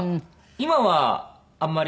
今はあんまり。